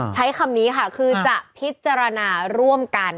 ใช้คำนี้ค่ะคือจะพิจารณาร่วมกัน